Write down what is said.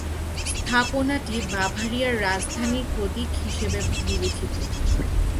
স্থাপনাটি বাভারিয়ার রাজধানীর প্রতীক হিসেবে বিবেচিত।